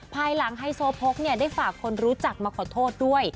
ภายหลังไฮโซโพกได้ฝากคนรู้จักมาขอโทษด้วย